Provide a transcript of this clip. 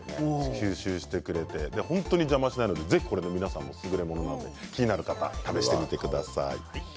吸収してくれて本当に邪魔しないのでぜひ皆さん気になる方、試してみてください。